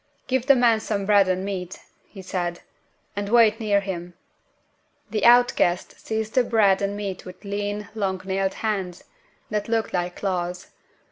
"Give the man some bread and meat," he said, "and wait near him." The outcast seized on the bread and meat with lean, long nailed hands that looked like claws.